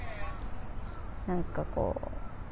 何かこう。